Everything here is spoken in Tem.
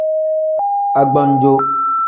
Agbanjo.